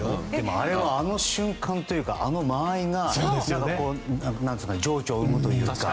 あれはあの瞬間というかあの間合いが情緒を生むというか。